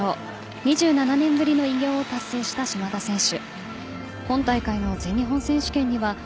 ２７年ぶりの偉業を達成した島田選手。